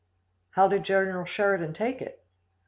"How did General Sheridan take it?"